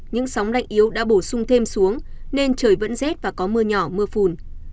những sóng lạnh yếu đã bổ sung thêm xuống nên trời vẫn rét và có mưa nhỏ mưa phùn